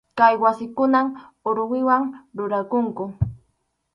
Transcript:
Kay wasikunan aruwiwan rurakunku.